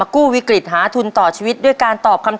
ที่สูงสุด๑ล้านบาท